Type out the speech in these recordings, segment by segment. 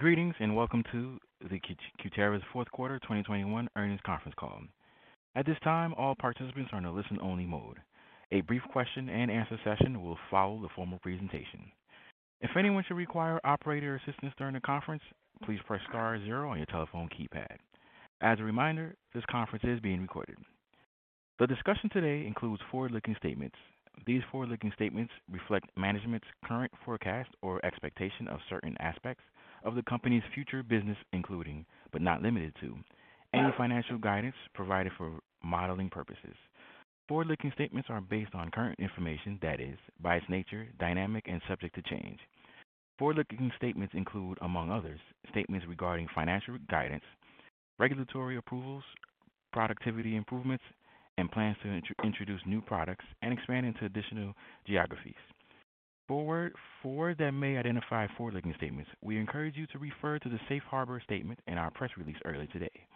Greetings, and welcome to Cutera's Fourth Quarter 2021 Earnings Conference Call. At this time, all participants are in a listen-only mode. A brief question and answer session will follow the formal presentation. If anyone should require operator assistance during the conference, please press star 0 on your telephone keypad. As a reminder, this conference is being recorded. The discussion today includes forward-looking statements. These forward-looking statements reflect management's current forecast or expectation of certain aspects of the company's future business, including, but not limited to, any financial guidance provided for modeling purposes. Forward-looking statements are based on current information that is, by its nature, dynamic and subject to change. Forward-looking statements include, among others, statements regarding financial guidance, regulatory approvals, productivity improvements, and plans to introduce new products and expand into additional geographies. For that may identify forward-looking statements, we encourage you to refer to the Safe Harbor statement in our press release earlier today.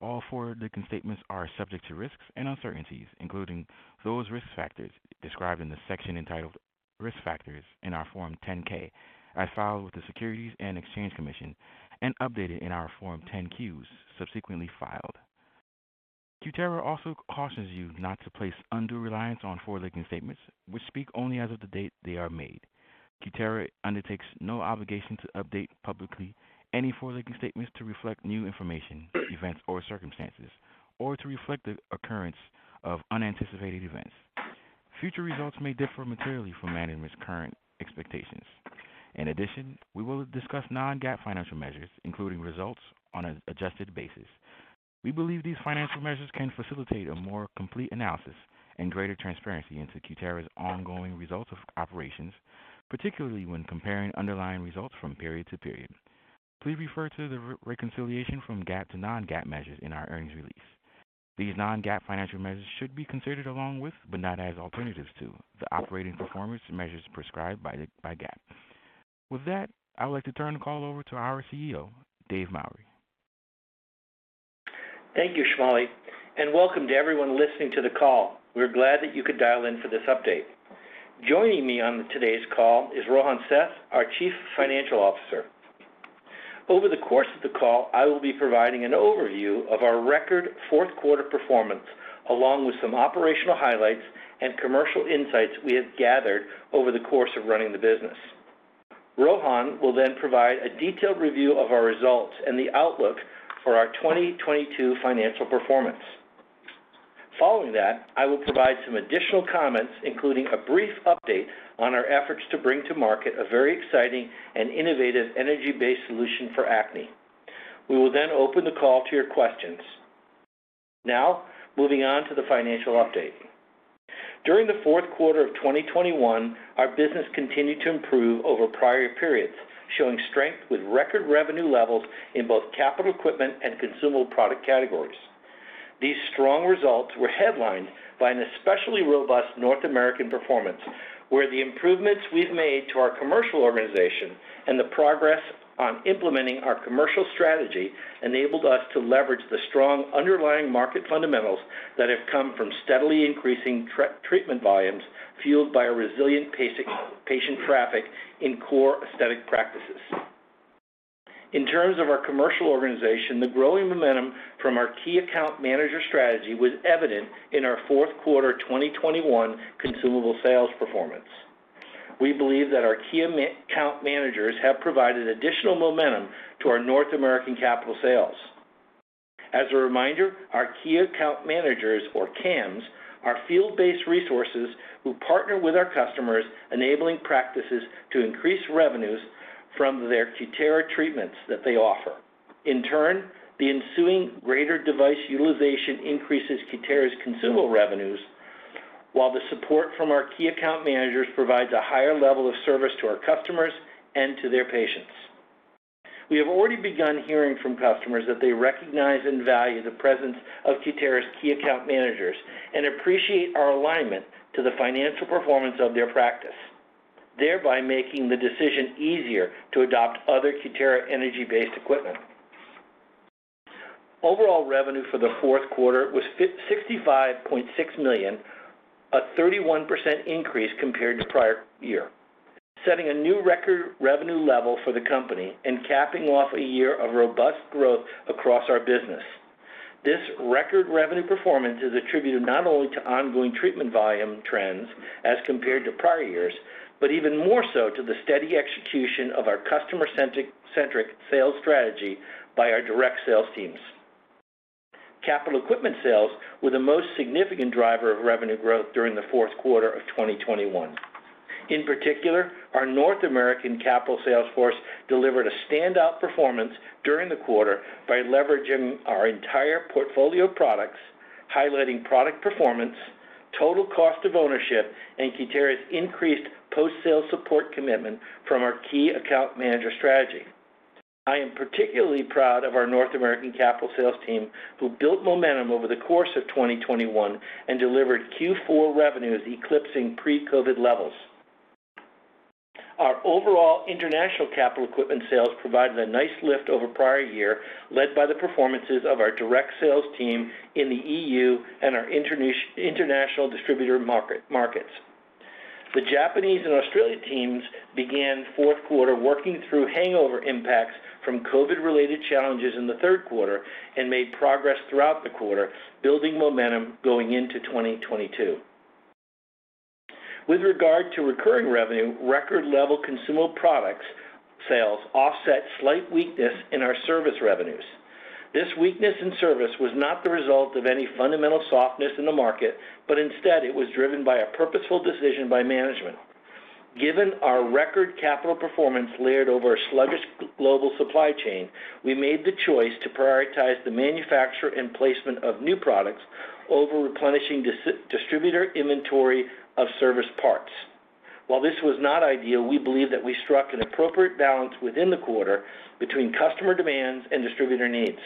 All forward-looking statements are subject to risks and uncertainties, including those risk factors described in the section entitled Risk Factors in our Form 10-K as filed with the Securities and Exchange Commission and updated in our Form 10-Qs subsequently filed. Cutera also cautions you not to place undue reliance on forward-looking statements which speak only as of the date they are made. Cutera undertakes no obligation to update publicly any forward-looking statements to reflect new information, events or circumstances, or to reflect the occurrence of unanticipated events. Future results may differ materially from management's current expectations. In addition, we will discuss non-GAAP financial measures, including results on an adjusted basis. We believe these financial measures can facilitate a more complete analysis and greater transparency into Cutera's ongoing results of operations, particularly when comparing underlying results from period to period. Please refer to the reconciliation from GAAP to non-GAAP measures in our earnings release. These non-GAAP financial measures should be considered along with, but not as alternatives to, the operating performance measures prescribed by GAAP. With that, I would like to turn the call over to our CEO, Dave Mowry. Thank you, Shamali, and welcome to everyone listening to the call. We're glad that you could dial in for this update. Joining me on today's call is Rohan Seth, our Chief Financial Officer. Over the course of the call, I will be providing an overview of our record fourth quarter performance, along with some operational highlights and commercial insights we have gathered over the course of running the business. Rohan will then provide a detailed review of our results and the outlook for our 2022 financial performance. Following that, I will provide some additional comments, including a brief update on our efforts to bring to market a very exciting and innovative energy-based solution for acne. We will then open the call to your questions. Now, moving on to the financial update. During the fourth quarter of 2021, our business continued to improve over prior periods, showing strength with record revenue levels in both capital equipment and consumable product categories. These strong results were headlined by an especially robust North American performance, where the improvements we've made to our commercial organization and the progress on implementing our commercial strategy enabled us to leverage the strong underlying market fundamentals that have come from steadily increasing treatment volumes, fueled by a resilient brisk patient traffic in core aesthetic practices. In terms of our commercial organization, the growing momentum from our key account manager strategy was evident in our fourth quarter 2021 Consumable Sales performance. We believe that our key account managers have provided additional momentum to our North American capital sales. As a reminder, our Key Account Managers, or KAMs, are field-based resources who partner with our customers enabling practices to increase revenues from their Cutera treatments that they offer. In turn, the ensuing greater device utilization increases Cutera's consumable revenues, while the support from our Key Account Managers provides a higher level of service to our customers and to their patients. We have already begun hearing from customers that they recognize and value the presence of Cutera's Key Account Managers and appreciate our alignment to the financial performance of their practice, thereby making the decision easier to adopt other Cutera energy-based equipment. Overall revenue for the fourth quarter was $156.6 million, a 31% increase compared to prior year, setting a new record revenue level for the company and capping off a year of robust growth across our business. This record revenue performance is attributed not only to ongoing treatment volume trends as compared to prior years, but even more so to the steady execution of our customer-centric sales strategy by our direct sales teams. Capital equipment sales were the most significant driver of revenue growth during the fourth quarter of 2021. In particular, our North American capital sales force delivered a standout performance during the quarter by leveraging our entire portfolio of products, highlighting product performance, total cost of ownership, and Cutera's increased post-sale support commitment from our key account manager strategy. I am particularly proud of our North American capital sales team, who built momentum over the course of 2021 and delivered Q4 revenues eclipsing pre-COVID levels. Our overall international capital equipment sales provided a nice lift over prior year, led by the performances of our direct sales team in the E.U. and our international distributor markets. The Japanese and Australian teams began fourth quarter working through hangover impacts from COVID related challenges in the third quarter and made progress throughout the quarter, building momentum going into 2022. With regard to recurring revenue, record level consumable products sales offset slight weakness in our service revenues. This weakness in service was not the result of any fundamental softness in the market, but instead it was driven by a purposeful decision by management. Given our record capital performance layered over a sluggish global supply chain, we made the choice to prioritize the manufacture and placement of new products over replenishing distributor inventory of service parts. While this was not ideal, we believe that we struck an appropriate balance within the quarter between customer demands and distributor needs.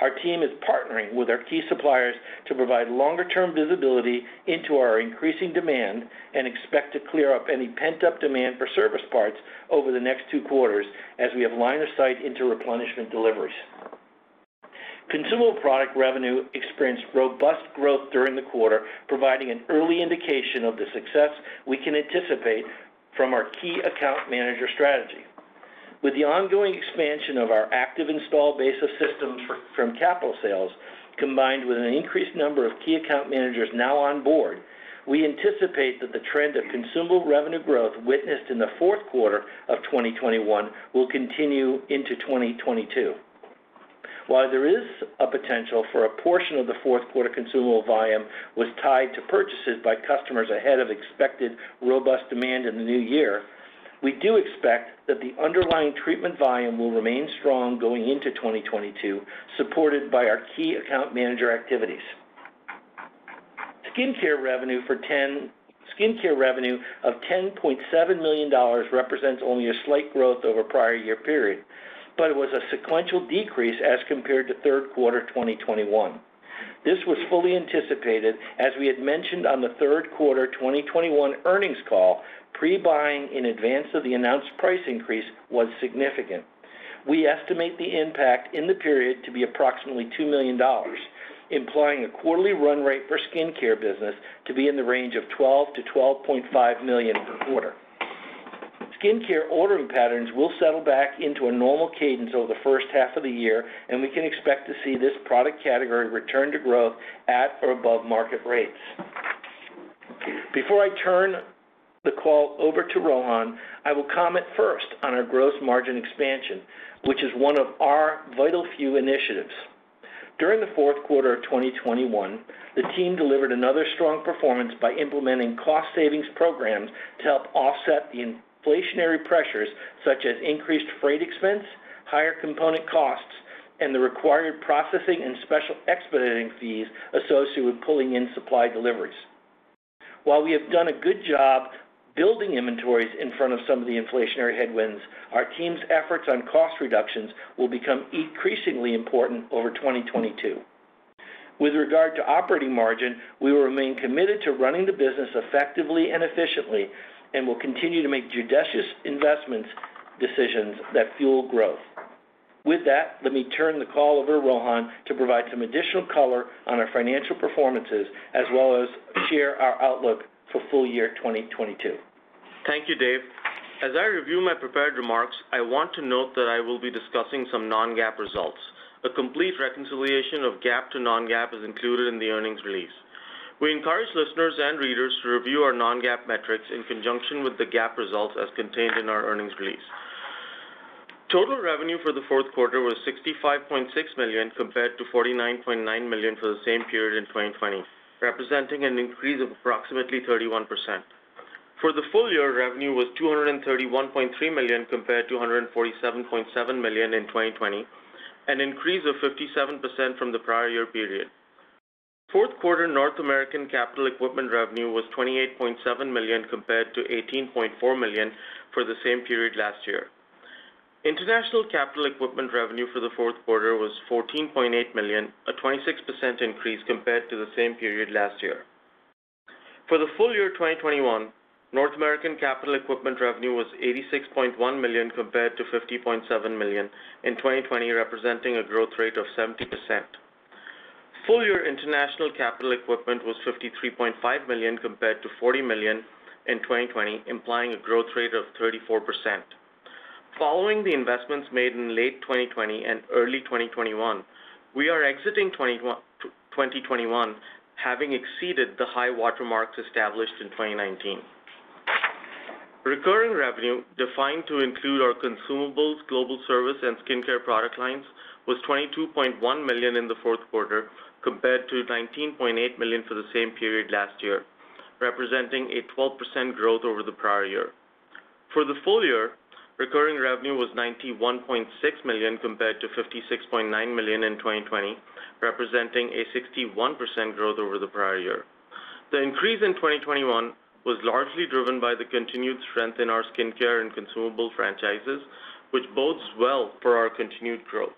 Our team is partnering with our key suppliers to provide longer-term visibility into our increasing demand and expect to clear up any pent-up demand for service parts over the next two quarters as we have line of sight into replenishment deliveries. Consumable product revenue experienced robust growth during the quarter, providing an early indication of the success we can anticipate from our Key Account Manager strategy. With the ongoing expansion of our active install base of systems from capital sales, combined with an increased number of Key Account Managers now on board, we anticipate that the trend of consumable revenue growth witnessed in the fourth quarter of 2021 will continue into 2022. While there is a potential for a portion of the fourth quarter consumable volume was tied to purchases by customers ahead of expected robust demand in the new year, we do expect that the underlying treatment volume will remain strong going into 2022, supported by our Key Account Manager activities. Skincare revenue of $10.7 million represents only a slight growth over prior year period, but it was a sequential decrease as compared to third quarter 2021. This was fully anticipated, as we had mentioned on the third quarter 2021 earnings call, pre-buying in advance of the announced price increase was significant. We estimate the impact in the period to be approximately $2 million, implying a quarterly run rate for skincare business to be in the range of $12 million-$12.5 million per quarter. Skincare ordering patterns will settle back into a normal cadence over the first half of the year, and we can expect to see this product category return to growth at or above market rates. Before I turn the call over to Rohan, I will comment first on our gross margin expansion, which is one of our vital few initiatives. During the fourth quarter of 2021, the team delivered another strong performance by implementing cost savings programs to help offset the inflationary pressures, such as increased freight expense, higher component costs, and the required processing and special expediting fees associated with pulling in supply deliveries. While we have done a good job building inventories in front of some of the inflationary headwinds, our team's efforts on cost reductions will become increasingly important over 2022. With regard to operating margin, we will remain committed to running the business effectively and efficiently, and we'll continue to make judicious investment decisions that fuel growth. With that, let me turn the call over to Rohan to provide some additional color on our financial performance, as well as share our outlook for full year 2022. Thank you, Dave. As I review my prepared remarks, I want to note that I will be discussing some non-GAAP results. A complete reconciliation of GAAP to non-GAAP is included in the earnings release. We encourage listeners and readers to review our non-GAAP metrics in conjunction with the GAAP results as contained in our earnings release. Total revenue for the fourth quarter was $65.6 million compared to $49.9 million for the same period in 2020, representing an increase of approximately 31%. For the full year, revenue was $231.3 million compared to $147.7 million in 2020, an increase of 57% from the prior year period. Fourth quarter North American capital equipment revenue was $28.7 million compared to $18.4 million for the same period last year. International capital equipment revenue for the fourth quarter was $14.8 million, a 26% increase compared to the same period last year. For the full year 2021, North American capital equipment revenue was $86.1 million compared to $50.7 million in 2020, representing a growth rate of 70%. Full year international capital equipment was $53.5 million compared to $40 million in 2020, implying a growth rate of 34%. Following the investments made in late 2020 and early 2021, we are exiting 2021 having exceeded the high water marks established in 2019. Recurring revenue, defined to include our consumables, global service, and skincare product lines, was $22.1 million in the fourth quarter compared to $19.8 million for the same period last year, representing a 12% growth over the prior year. For the full year, recurring revenue was $91.6 million compared to $56.9 million in 2020, representing a 61% growth over the prior year. The increase in 2021 was largely driven by the continued strength in our skincare and consumable franchises, which bodes well for our continued growth.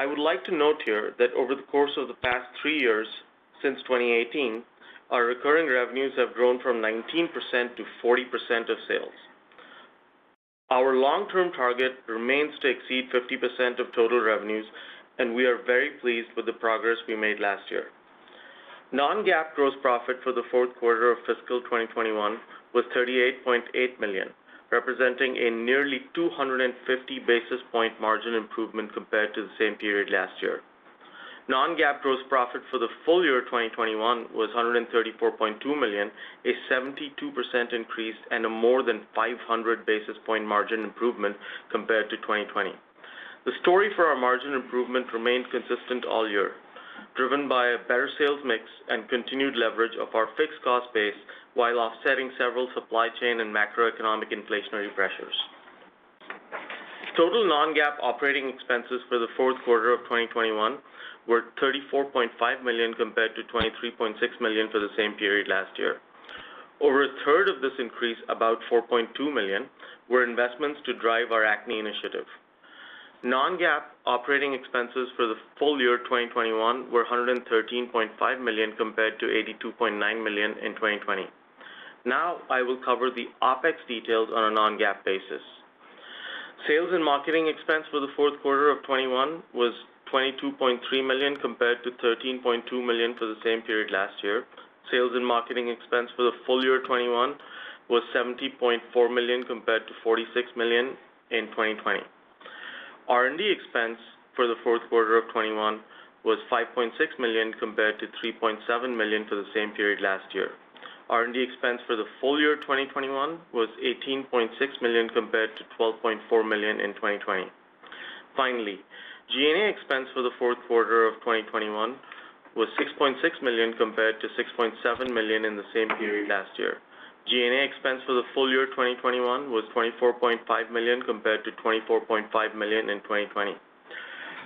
I would like to note here that over the course of the past three years, since 2018, our recurring revenues have grown from 19%-40% of sales. Our long-term target remains to exceed 50% of total revenues, and we are very pleased with the progress we made last year. Non-GAAP gross profit for the fourth quarter of fiscal 2021 was $38.8 million, representing a nearly 250 basis point margin improvement compared to the same period last year. Non-GAAP gross profit for the full year of 2021 was $134.2 million, a 72% increase, and a more than 500 basis point margin improvement compared to 2020. The story for our margin improvement remained consistent all year, driven by a better sales mix and continued leverage of our fixed cost base while offsetting several supply chain and macroeconomic inflationary pressures. Total non-GAAP operating expenses for the fourth quarter of 2021 were $34.5 million compared to $23.6 million for the same period last year. Over a third of this increase, about $4.2 million, were investments to drive our acne initiative. Non-GAAP operating expenses for the full year of 2021 were $113.5 million compared to $82.9 million in 2020. Now I will cover the OpEx details on a non-GAAP basis. Sales and marketing expense for the fourth quarter of 2021 was $22.3 million compared to $13.2 million for the same period last year. Sales and marketing expense for the full year of 2021 was $70.4 million compared to $46 million in 2020. R&D expense for the fourth quarter of 2021 was $5.6 million compared to $3.7 million for the same period last year. R&D expense for the full year of 2021 was $18.6 million compared to $12.4 million in 2020. Finally, G&A expense for the fourth quarter of 2021 was $6.6 million compared to $6.7 million in the same period last year. G&A expense for the full year of 2021 was $24.5 million compared to $24.5 million in 2020.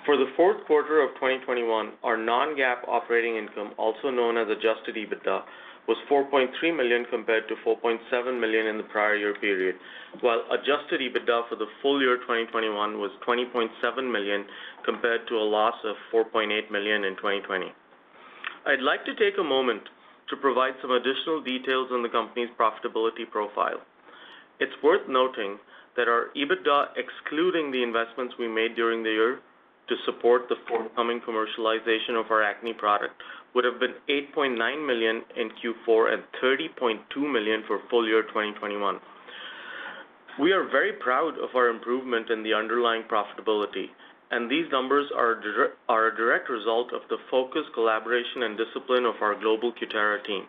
For the fourth quarter of 2021, our non-GAAP operating income, also known as Adjusted EBITDA, was $4.3 million compared to $4.7 million in the prior year period. While Adjusted EBITDA for the full year of 2021 was $20.7 million compared to a loss of $4.8 million in 2020. I'd like to take a moment to provide some additional details on the company's profitability profile. It's worth noting that our EBITDA, excluding the investments we made during the year to support the forthcoming commercialization of our acne product, would have been $8.9 million in Q4 and $30.2 million for full year 2021. We are very proud of our improvement in the underlying profitability, and these numbers are a direct result of the focused collaboration and discipline of our global Cutera team.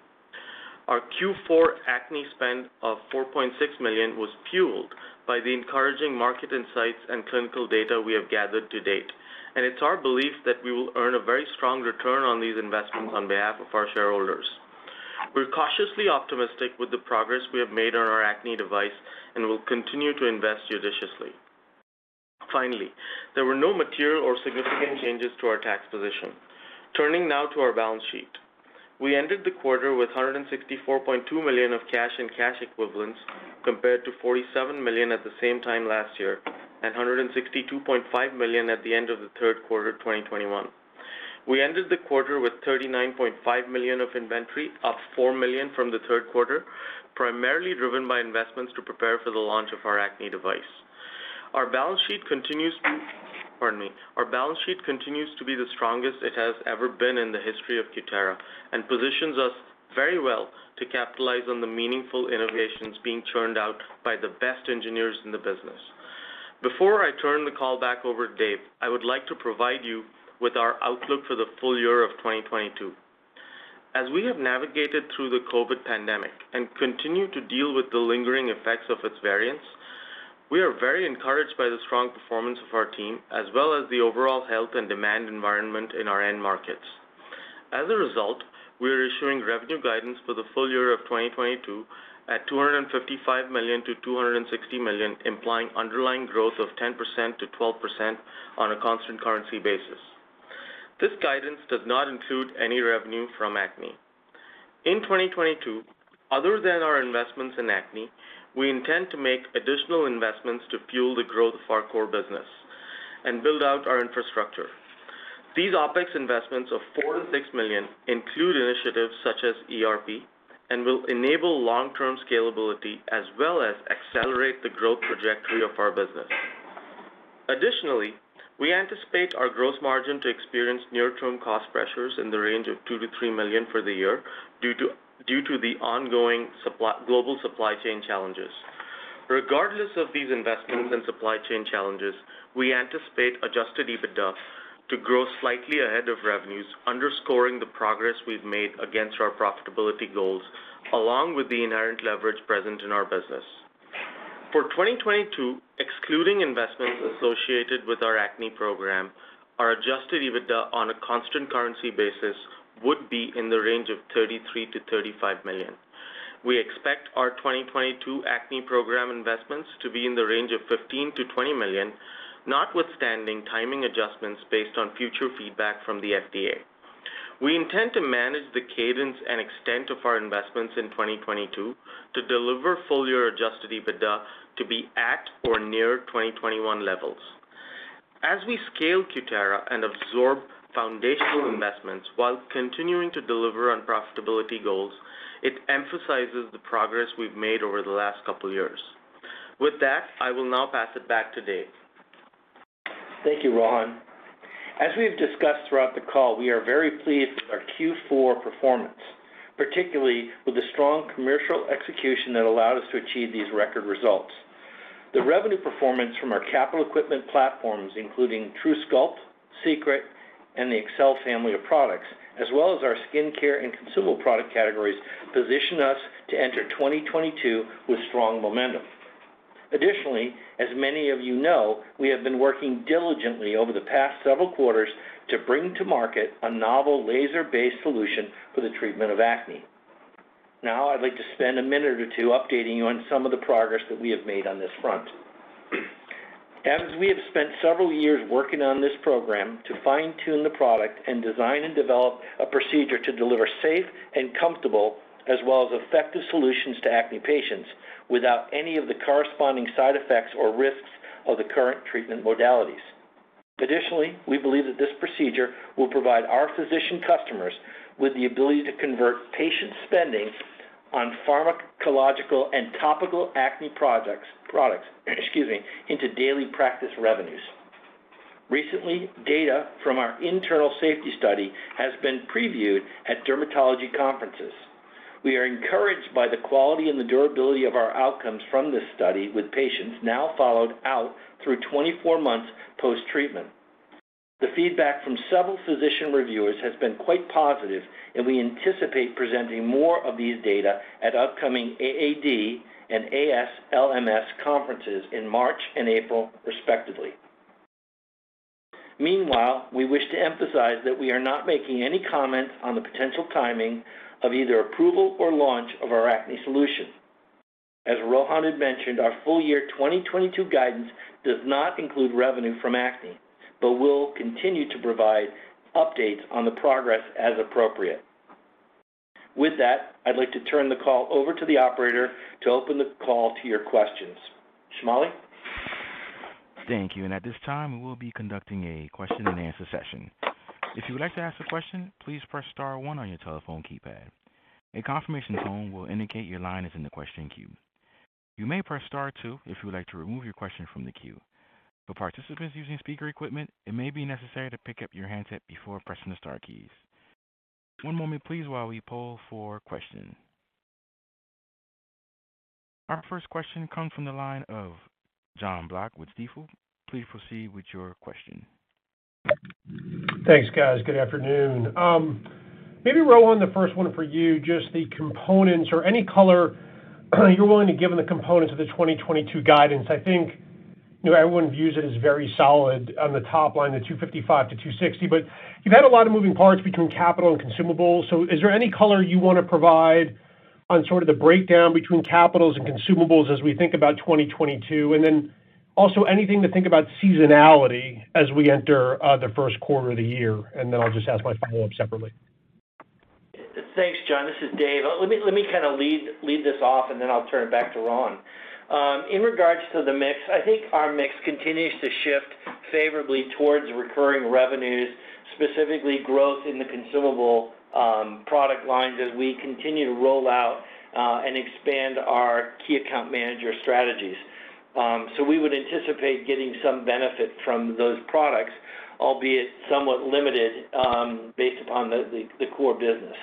Our Q4 acne spend of $4.6 million was fueled by the encouraging market insights and clinical data we have gathered to date. It's our belief that we will earn a very strong return on these investments on behalf of our shareholders. We're cautiously optimistic with the progress we have made on our acne device and will continue to invest judiciously. Finally, there were no material or significant changes to our tax position. Turning now to our balance sheet. We ended the quarter with $164.2 million of cash and cash equivalents, compared to $47 million at the same time last year, and $162.5 million at the end of the third quarter of 2021. We ended the quarter with $39.5 million of inventory, up $4 million from the third quarter, primarily driven by investments to prepare for the launch of our acne device. Our balance sheet continues to be the strongest it has ever been in the history of Cutera and positions us very well to capitalize on the meaningful innovations being churned out by the best engineers in the business. Before I turn the call back over to Dave, I would like to provide you with our outlook for the full year of 2022. As we have navigated through the COVID pandemic and continue to deal with the lingering effects of its variants, we are very encouraged by the strong performance of our team, as well as the overall health and demand environment in our end markets. As a result, we are issuing revenue guidance for the full year of 2022 at $255 million-$260 million, implying underlying growth of 10%-12% on a constant currency basis. This guidance does not include any revenue from acne. In 2022, other than our investments in acne, we intend to make additional investments to fuel the growth of our core business and build out our infrastructure. These OpEx investments of $4 million-$6 million include initiatives such as ERP and will enable long-term scalability as well as accelerate the growth trajectory of our business. Additionally, we anticipate our gross margin to experience near-term cost pressures in the range of $2 million-$3 million for the year due to the ongoing global supply chain challenges. Regardless of these investments and supply chain challenges, we anticipate Adjusted EBITDA to grow slightly ahead of revenues, underscoring the progress we've made against our profitability goals, along with the inherent leverage present in our business. For 2022, excluding investments associated with our acne program, our Adjusted EBITDA on a constant currency basis would be in the range of $33 million-$35 million. We expect our 2022 acne program investments to be in the range of $15 million-$20 million, notwithstanding timing adjustments based on future feedback from the FDA. We intend to manage the cadence and extent of our investments in 2022 to deliver full year Adjusted EBITDA to be at or near 2021 levels. As we scale Cutera and absorb foundational investments while continuing to deliver on profitability goals, it emphasizes the progress we've made over the last couple years. With that, I will now pass it back to Dave. Thank you, Rohan. As we've discussed throughout the call, we are very pleased with our Q4 performance, particularly with the strong commercial execution that allowed us to achieve these record results. The revenue performance from our capital equipment platforms, including truSculpt, Secret, and the Excel family of products, as well as our skincare and consumable product categories, position us to enter 2022 with strong momentum. Additionally, as many of you know, we have been working diligently over the past several quarters to bring to market a novel laser-based solution for the treatment of acne. Now, I'd like to spend a minute or two updating you on some of the progress that we have made on this front. As we have spent several years working on this program to fine-tune the product and design and develop a procedure to deliver safe and comfortable as well as effective solutions to acne patients without any of the corresponding side effects or risks of the current treatment modalities. Additionally, we believe that this procedure will provide our physician customers with the ability to convert patient spending on pharmacological and topical acne products, excuse me, into daily practice revenues. Recently, data from our internal Safety study has been previewed at dermatology conferences. We are encouraged by the quality and the durability of our outcomes from this study, with patients now followed out through 24 months post-treatment. The feedback from several physician reviewers has been quite positive, and we anticipate presenting more of these data at upcoming AAD and ASLMS conferences in March and April respectively. Meanwhile, we wish to emphasize that we are not making any comments on the potential timing of either approval or launch of our acne solution. As Rohan had mentioned, our full year 2022 guidance does not include revenue from acne, but we'll continue to provide updates on the progress as appropriate. With that, I'd like to turn the call over to the operator to open the call to your questions. Shamali? Thank you. At this time, we will be conducting a question and answer session. If you would like to ask a question, please press star 1 on your telephone keypad. A confirmation tone will indicate your line is in the question queue. You may press star 2 if you would like to remove your question from the queue. For participants using speaker equipment, it may be necessary to pick up your handset before pressing the star keys. One moment please while we poll for questions. Our first question comes from the line of Jon Block with Stifel. Please proceed with your question. Thanks, guys. Good afternoon. Maybe, Rohan, the first one for you, just the components or any color you're willing to give on the components of the 2022 guidance. I think everyone views it as very solid on the top line, the $255 million-$260 million. But you've had a lot of moving parts between capital and consumables, so is there any color you wanna provide on sort of the breakdown between capital and consumables as we think about 2022? Also anything to think about seasonality as we enter the first quarter of the year, and then I'll just ask my follow-up separately. Thanks, Jon. This is Dave. Let me kind of lead this off, and then I'll turn it back to Rohan. In regards to the mix, I think our mix continues to shift favorably towards recurring revenues, specifically growth in the consumable product lines as we continue to roll out and expand our key account manager strategies. We would anticipate getting some benefit from those products, albeit somewhat limited, based upon the core business.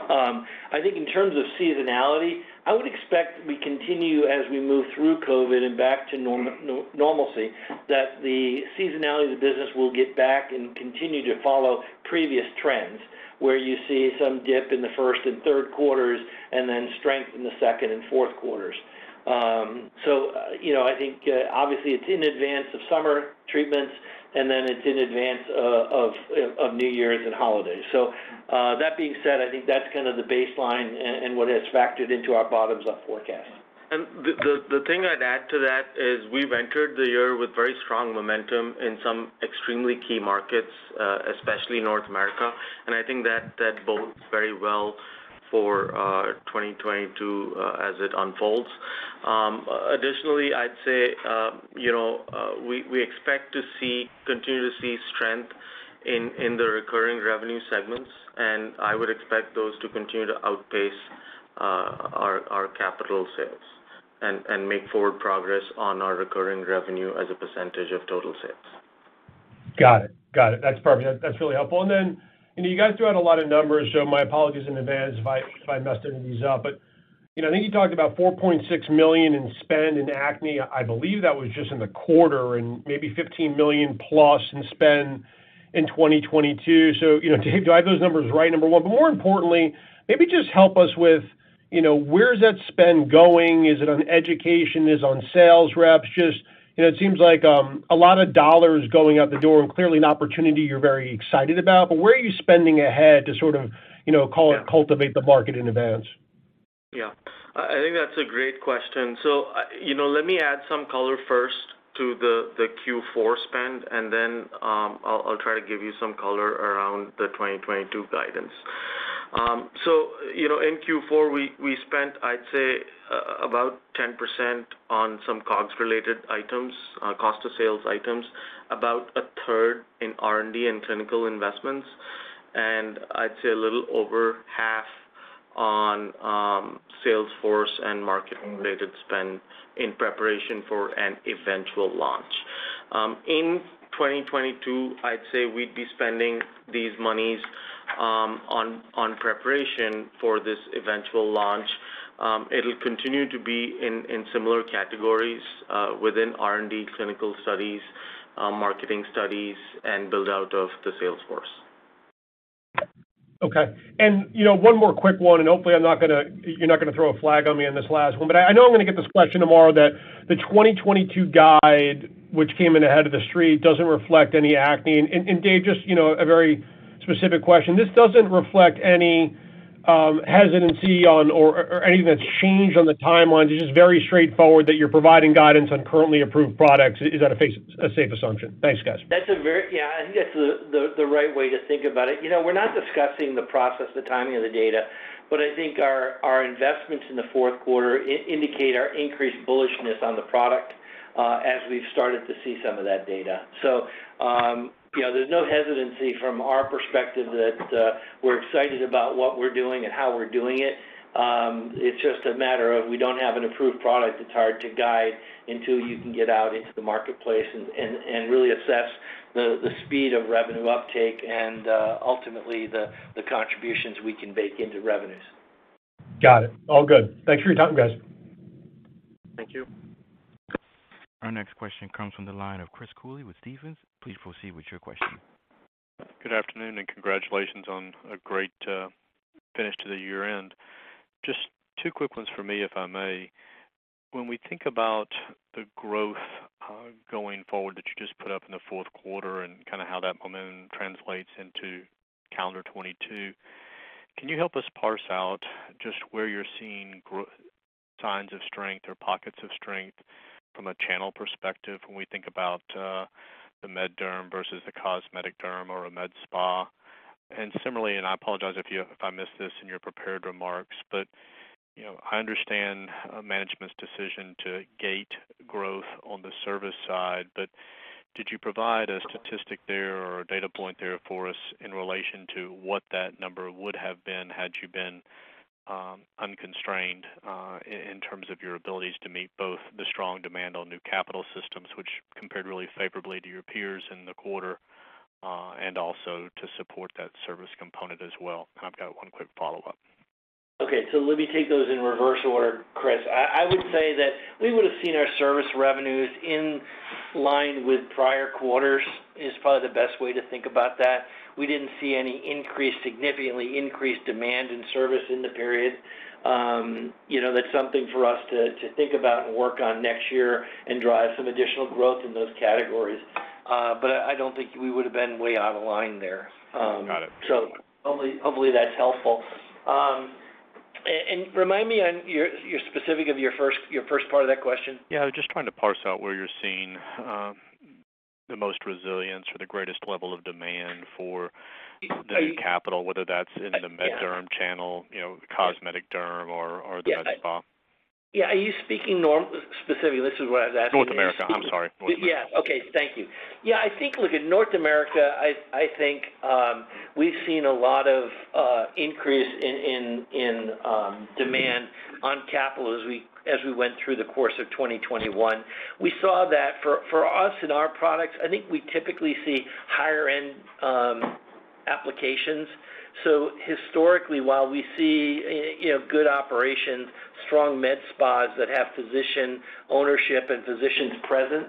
I think in terms of seasonality, I would expect we continue as we move through COVID and back to normalcy, that the seasonality of the business will get back and continue to follow previous trends, where you see some dip in the first and third quarters and then strength in the second and fourth quarters. You know, I think obviously it's in advance of summer treatments, and then it's in advance of New Year's and holidays. That being said, I think that's kind of the baseline and what has factored into our bottoms-up forecast. The thing I'd add to that is we've entered the year with very strong momentum in some extremely key markets, especially North America, and I think that bodes very well for 2022, as it unfolds. Additionally, I'd say, you know, we expect to continue to see strength in the recurring revenue segments, and I would expect those to continue to outpace our capital sales and make forward progress on our recurring revenue as a percentage of total sales. Got it. Got it. That's perfect. That's really helpful. Then, you know, you guys threw out a lot of numbers, so my apologies in advance if I messed any of these up. You know, I think you talked about $4.6 million in spend in acne. I believe that was just in the quarter, and maybe $15 million plus in spend in 2022. You know, Dave, do I have those numbers right, number one? More importantly, maybe just help us with, you know, where is that spend going? Is it on education? Is it on sales reps? Just, you know, it seems like a lot of dollars going out the door and clearly an opportunity you're very excited about, but where are you spending ahead to sort of, you know, call it cultivate the market in advance? Yeah. I think that's a great question. You know, let me add some color first to the Q4 spend, and then I'll try to give you some color around the 2022 guidance. You know, in Q4, we spent, I'd say, about 10% on some COGS related items, cost of sales items, about a third in R&D and clinical investments. I'd say a little over half on sales force and marketing related spend in preparation for an eventual launch. In 2022, I'd say we'd be spending these monies on preparation for this eventual launch. It'll continue to be in similar categories within R&D, clinical studies, marketing studies, and build-out of the sales force. Okay. You know, one more quick one, and hopefully I'm not gonna—you're not gonna throw a flag on me on this last one. I know I'm gonna get this question tomorrow that the 2022 guidance, which came in ahead of the street, doesn't reflect any acne. Dave, just, you know, a very specific question. This doesn't reflect any hesitancy on or anything that's changed on the timelines. It's just very straightforward that you're providing guidance on currently approved products. Is that a safe assumption? Thanks, guys. Yeah, I think that's the right way to think about it. You know, we're not discussing the process, the timing of the data. I think our investments in the fourth quarter indicate our increased bullishness on the product, as we've started to see some of that data. You know, there's no hesitancy from our perspective that we're excited about what we're doing and how we're doing it. It's just a matter of we don't have an approved product. It's hard to guide until you can get out into the marketplace and really assess the speed of revenue uptake and ultimately the contributions we can make into revenues. Got it. All good. Thanks for your time, guys. Thank you. Our next question comes from the line of Chris Cooley with Stephens. Please proceed with your question. Good afternoon, and congratulations on a great finish to the year-end. Just two quick ones for me, if I may. When we think about the growth going forward that you just put up in the fourth quarter and kinda how that momentum translates into calendar 2022, can you help us parse out just where you're seeing signs of strength or pockets of strength from a channel perspective when we think about the med derm versus the cosmetic derm or a med spa? Similarly, and I apologize if I missed this in your prepared remarks, but, you know, I understand management's decision to gate growth on the service side, but did you provide a statistic there or a data point there for us in relation to what that number would have been had you been unconstrained, in terms of your abilities to meet both the strong demand on new capital systems, which compared really favorably to your peers in the quarter, and also to support that service component as well? I've got one quick follow-up. Okay. Let me take those in reverse order, Chris. I would say that we would've seen our service revenues in line with prior quarters, is probably the best way to think about that. We didn't see significantly increased demand in service in the period. You know, that's something for us to think about and work on next year and drive some additional growth in those categories. But I don't think we would've been way out of line there. Got it. Hopefully, that's helpful. Remind me on your specific of your first part of that question. Yeah. Just trying to parse out where you're seeing the most resilience or the greatest level of demand for the new capital, whether that's in the med derm channel, you know, cosmetic derm or the med spa? Yeah. Are you speaking specifically? This is what I was asking is- North America. I'm sorry. North America. Yeah. Okay. Thank you. Yeah. I think, look, in North America, I think we've seen a lot of increase in demand on capital as we went through the course of 2021. We saw that for us and our products. I think we typically see higher-end applications. Historically, while we see you know, good operations, strong med spas that have physician ownership and physicians present,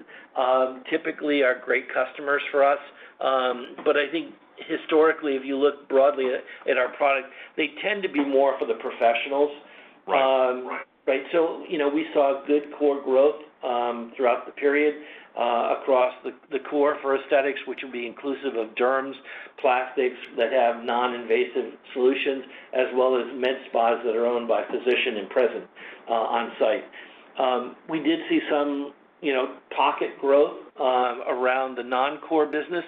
typically are great customers for us. I think historically, if you look broadly at our product, they tend to be more for the professionals. Right. Right. You know, we saw good core growth throughout the period across the core for aesthetics, which would be inclusive of derms, plastics that have non-invasive solutions, as well as med spas that are owned by a physician and present on site. We did see some, you know, pocket growth around the non-core business.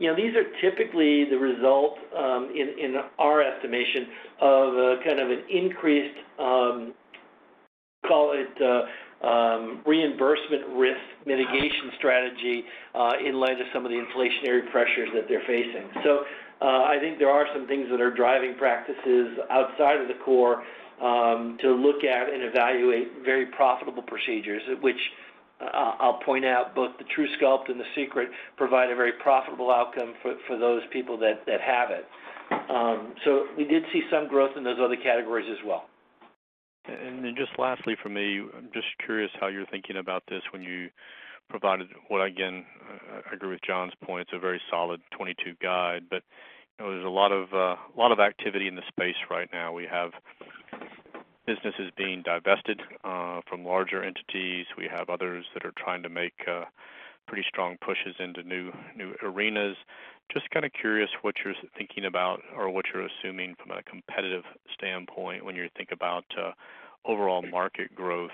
You know, these are typically the result in our estimation of kind of an increased call it Reimbursement Risk Mitigation strategy in light of some of the inflationary pressures that they're facing. I think there are some things that are driving practices outside of the core to look at and evaluate very profitable procedures, which I'll point out both the truSculpt and the Secret provide a very profitable outcome for those people that have it. We did see some growth in those other categories as well. Just lastly from me, I'm just curious how you're thinking about this when you provided what again, I agree with Jon's point, it's a very solid 2022 guide. You know, there's a lot of activity in the space right now. We have businesses being divested from larger entities. We have others that are trying to make pretty strong pushes into new arenas. Just kinda curious what you're thinking about or what you're assuming from a competitive standpoint when you think about overall market growth,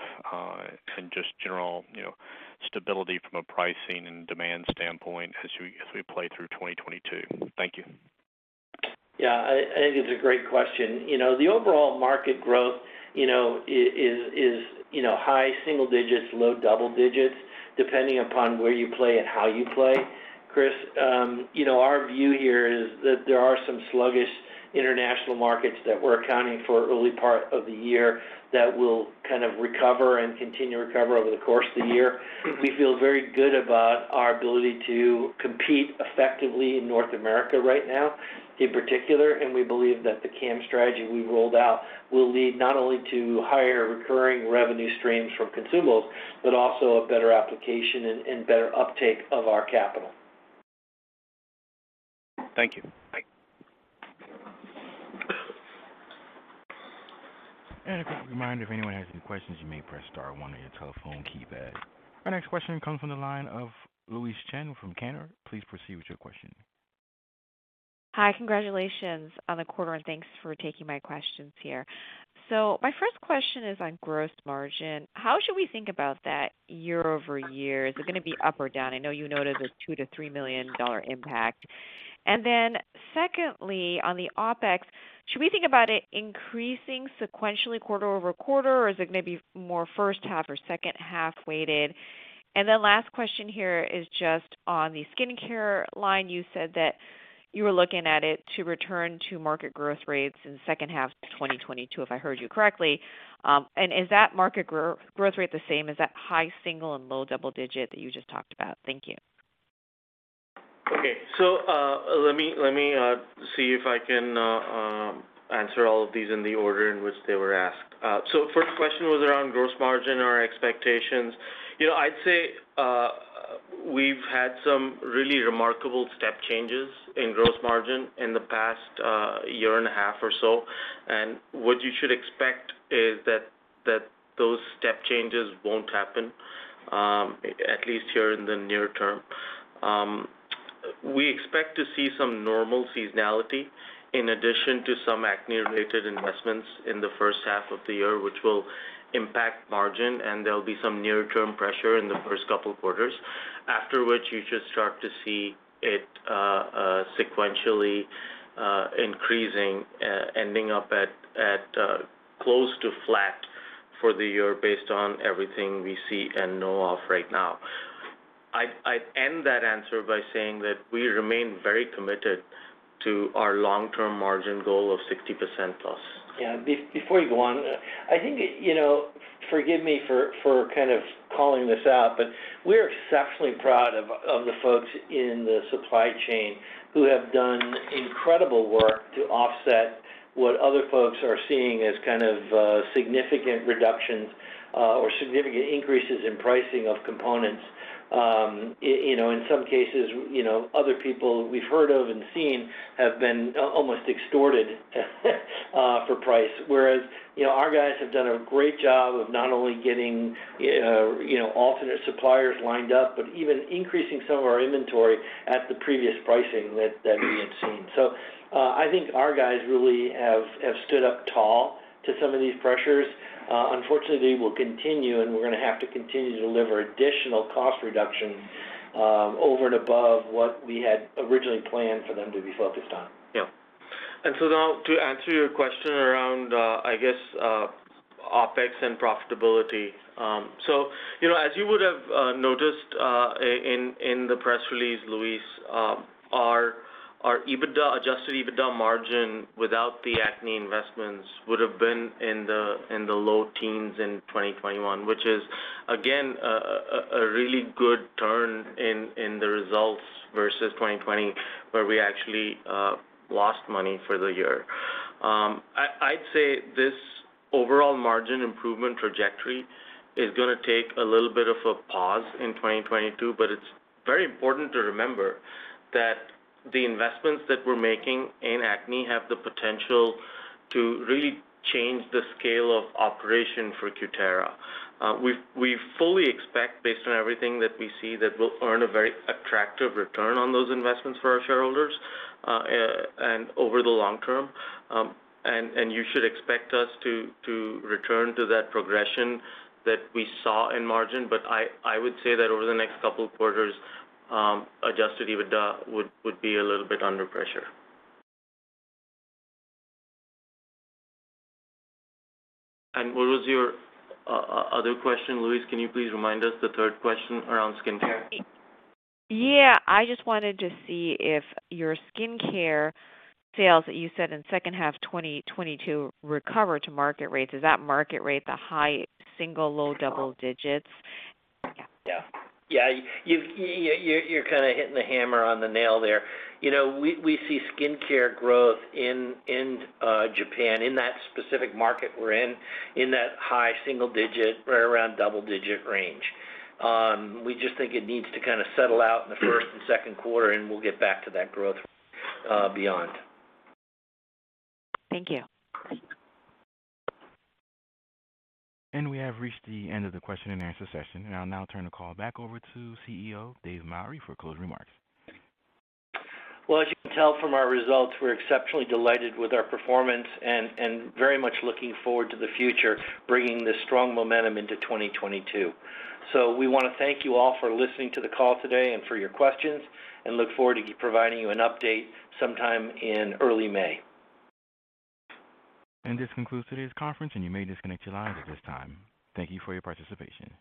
and just general, you know, stability from a pricing and demand standpoint as we play through 2022. Thank you. Yeah, I think it's a great question. You know, the overall market growth, you know, is high single digits, low double digits, depending upon where you play and how you play. Chris, you know, our view here is that there are some sluggish international markets that we're accounting for early part of the year that will kind of recover and continue to recover over the course of the year. We feel very good about our ability to compete effectively in North America right now, in particular, and we believe that the KAM strategy we rolled out will lead not only to higher recurring revenue streams for consumables, but also a better application and better uptake of our capital. Thank you. Bye. A quick reminder, if anyone has any questions, you may press star 1 on your telephone keypad. Our next question comes from the line of Louise Chen from Cantor. Please proceed with your question. Hi. Congratulations on the quarter, and thanks for taking my questions here. My first question is on gross margin. How should we think about that year-over-year? Is it gonna be up or down? I know you noted a $2 million-$3 million impact. Secondly, on the OpEx, should we think about it increasing sequentially quarter-over-quarter, or is it gonna be more first half or second half-weighted? Last question here is just on the skincare line. You said that you were looking at it to return to market growth rates in the second half of 2022, if I heard you correctly. Is that market growth rate the same as that high single and low double digit that you just talked about? Thank you. Okay, so, let me see if I can answer all of these in the order in which they were asked. First question was around gross margin or expectations. You know, I'd say, we've had some really remarkable step changes in gross margin in the past, year and a half or so. What you should expect is that those step changes won't happen, at least here in the near term. We expect to see some normal seasonality in addition to some acne-related investments in the first half of the year, which will impact margin, and there'll be some near-term pressure in the first couple quarters. After which you should start to see it sequentially increasing, ending up at close to flat for the year, based on everything we see and know of right now. I'd end that answer by saying that we remain very committed to our long-term margin goal of 60%+. Yeah, before you go on, I think, you know, forgive me for kind of calling this out, but we're exceptionally proud of the folks in the supply chain who have done incredible work to offset what other folks are seeing as kind of significant reductions or significant increases in pricing of components. You know, in some cases, you know, other people we've heard of and seen have been almost extorted for price, whereas, you know, our guys have done a great job of not only getting, you know, alternate suppliers lined up, but even increasing some of our inventory at the previous pricing that we had seen. I think our guys really have stood up tall to some of these pressures. Unfortunately, they will continue, and we're gonna have to continue to deliver additional cost reduction, over and above what we had originally planned for them to be focused on. Yeah. Now to answer your question around, I guess, OpEx and profitability. You know, as you would have noticed in the press release, Louise, our Adjusted EBITDA margin without the acne investments would have been in the low teens in 2021, which is again a really good turn in the results versus 2020, where we actually lost money for the year. I'd say this overall margin improvement trajectory is gonna take a little bit of a pause in 2022, but it's very important to remember that the investments that we're making in acne have the potential to really change the scale of operation for Cutera. We fully expect based on everything that we see that we'll earn a very attractive return on those investments for our shareholders, and over the long term. You should expect us to return to that progression that we saw in margin, but I would say that over the next couple of quarters, Adjusted EBITDA would be a little bit under pressure. What was your other question, Louise? Can you please remind us the third question around skincare? Yeah. I just wanted to see if your skincare sales that you said in second half of 2022 recover to market rates, is that market rate the high single, low double digits? Yeah. You're kinda hitting the hammer on the nail there. You know, we see skincare growth in Japan, in that specific market we're in that high single digit right around double-digit range. We just think it needs to kinda settle out in the first and second quarter, and we'll get back to that growth beyond. Thank you. We have reached the end of the question and answer session. I'll now turn the call back over to CEO Dave Mowry for closing remarks. Well, as you can tell from our results, we're exceptionally delighted with our performance and very much looking forward to the future, bringing this strong momentum into 2022. We wanna thank you all for listening to the call today and for your questions, and look forward to providing you an update sometime in early May. This concludes today's conference, and you may disconnect your lines at this time. Thank you for your participation.